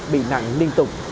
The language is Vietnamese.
bị nặng liên tục